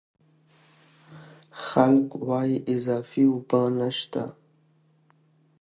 خلک وايي اضافي اوبه نشته.